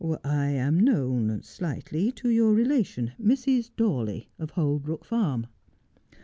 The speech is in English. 'I am known — slightly — to your relation, Mrs. Dawley, of Holbrook Farm.'